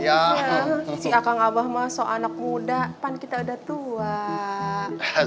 si akang abah mah sok anak muda kan kita udah tua